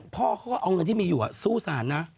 พ่อเขาก็เอาเงินที่มีอยู่สู้สารนะ